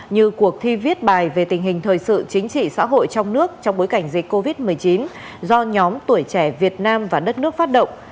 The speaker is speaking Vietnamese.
như cuộc thi viết bài về tình hình thời sự chính trị xã hội trong nước trong bối cảnh dịch covid một mươi chín do nhóm tuổi trẻ việt nam và đất nước phát động